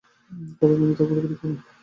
কারণ আমি এই পরিবারের কেউ না!